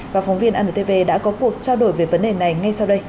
và phóng viên antv đã có cuộc trao đổi về vấn đề này ngay sau đây